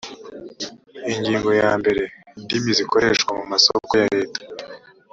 ingingo ya mbere indimi zikoreshwa mu masoko ya leta